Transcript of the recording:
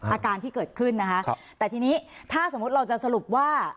อาการที่เกิดขึ้นนะคะแต่ทีนี้ถ้าสมมุติเราจะสรุปว่า